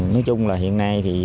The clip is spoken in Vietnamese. nói chung là hiện nay